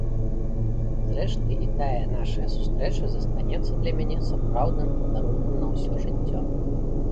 Зрэшты, і тая нашая сустрэча застанецца для мяне сапраўдным падарункам на ўсё жыццё.